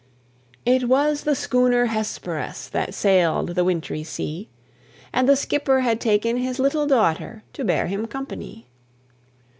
It was the schooner Hesperus, That sailed the wintry sea; And the skipper had taken his little daughter, To bear him company.